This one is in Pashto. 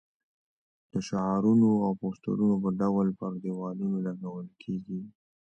د شعارونو او پوسټرونو په ډول پر دېوالونو لګول کېږي.